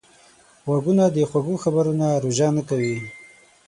غوږونه د خوږو خبرو نه روژه نه کوي